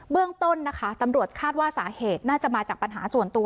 เรื่องต้นนะคะตำรวจคาดว่าสาเหตุน่าจะมาจากปัญหาส่วนตัว